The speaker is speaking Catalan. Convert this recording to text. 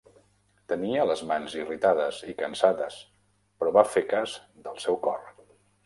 Tenia les mans irritades i cansades, però va fer cas del seu cor.